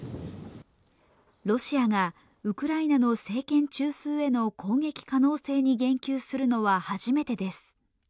ロシアがウクライナの政権中枢への攻撃可能性に言及するのは初めてです。